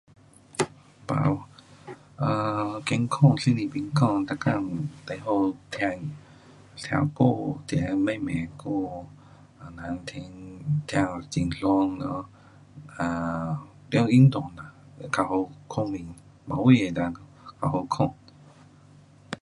啊有，呃，健康心理健康，每天最好听，听歌，听那慢慢的歌，这样听很爽 um，啊，得运动呐，较好睡眠，晚上会较好睡。